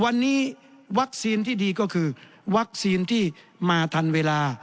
วันนี้วัคซีนที่ดีก็คือวัคซีนที่มาทันเวลา